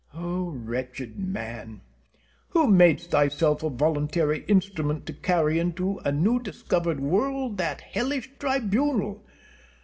O wretched man! who madest thyself a voluntary instrument to carry into a new discovered world that hellish tribunal?